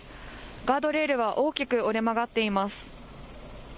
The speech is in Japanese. ガードレールは大きく折れ曲がっています。